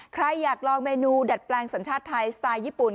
ใครอยากลองเมนูดัดแปลงสัญชาติไทยสไตล์ญี่ปุ่น